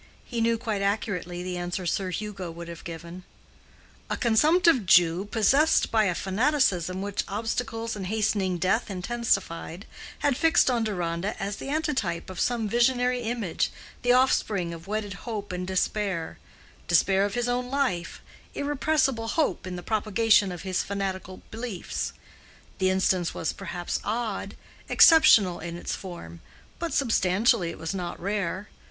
He knew quite accurately the answer Sir Hugo would have given: "A consumptive Jew, possessed by a fanaticism which obstacles and hastening death intensified, had fixed on Deronda as the antitype of some visionary image, the offspring of wedded hope and despair: despair of his own life, irrepressible hope in the propagation of his fanatical beliefs. The instance was perhaps odd, exceptional in its form, but substantially it was not rare.